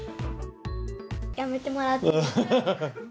やめてもらっていい？